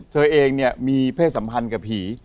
เธอเองเนี่ยมีเพศสัมพันธ์กับผี